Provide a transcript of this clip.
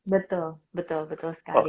betul betul betul sekali